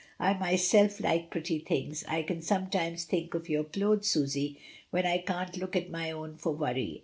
I myself like pretty things, I can sometimes think of your clothes, Susy, when I can't look at my own for worry.